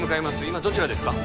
今どちらですか！？